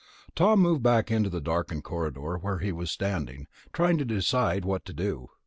Tom moved back into the darkened corridor where he was standing, trying to decide what to do.